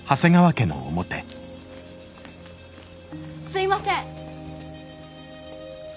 すいません。